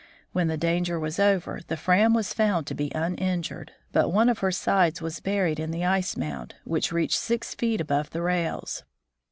When the danger was over, the Fram was found to be uninjured, but one of her sides was buried in the ice mound, which reached six feet above the rails.